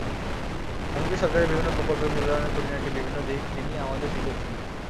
এমনকি সরকারের বিভিন্ন প্রকল্পের মূল্যায়নের খুঁটিনাটি বিভিন্ন দিক তিনি আমাদের শিখিয়েছেন।